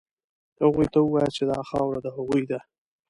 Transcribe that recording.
هغوی ته ووایاست چې دا خاوره د هغوی ده.